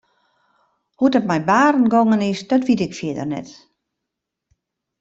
Hoe't it mei Barend gongen is dat wit ik fierder net.